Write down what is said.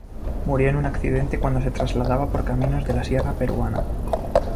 Murió en un accidente cuando se trasladaba por caminos de la sierra peruana.